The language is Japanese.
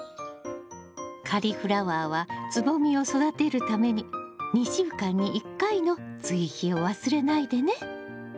カリフラワーはつぼみを育てるために２週間に１回の追肥を忘れないでね！